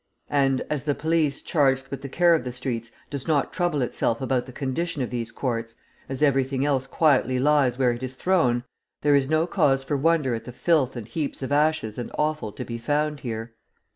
And, as the police charged with care of the streets, does not trouble itself about the condition of these courts, as everything quietly lies where it is thrown, there is no cause for wonder at the filth and heaps of ashes and offal to be found here.